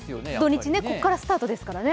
土日ね、ここからスタートですからね。